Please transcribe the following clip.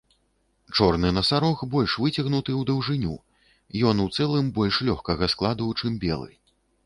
Чорны насарог больш выцягнуты ў даўжыню, ён у цэлым больш лёгкага складу, чым белы.